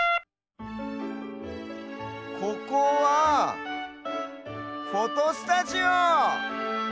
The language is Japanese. ここはフォトスタジオ！